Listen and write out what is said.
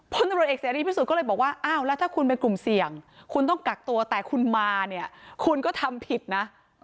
พลตำรวจเอกเสรีพิสุทธิก็เลยบอกว่าอ้าวแล้วถ้าคุณเป็นกลุ่มเสี่ยงคุณต้องกักตัวแต่คุณมาเนี่ยคุณก็ทำผิดนะ